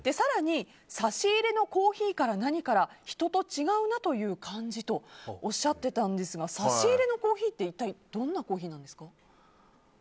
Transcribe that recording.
差し入れのコーヒーから何から人と違うなという感じとおっしゃってたんですけど差し入れのコーヒーって一体どんなコーヒーですか？